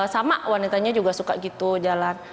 sama wanitanya juga suka gitu jalan